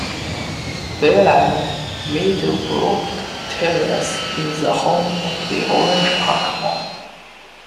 Bellair-Meadowbrook Terrace is the home of the Orange Park Mall.